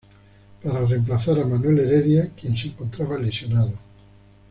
Para reemplazar a Manuel Heredia quien se encontraba lesionado.